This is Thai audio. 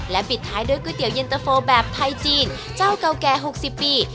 และปิดท้ายด้วยก๋วยเตี๋ยวยินเตอร์โฟแบบไทยจีนเจ้าเก่าแก่๖๐ปี